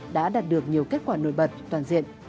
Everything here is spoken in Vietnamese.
đã đạt được nhiều kết quả nổi bật toàn diện